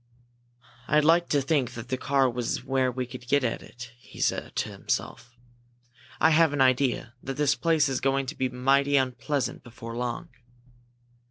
"I'd like to think that that car was where we could get at it," he said to himself. "I have an idea that this place is going to be mighty unpleasant before long."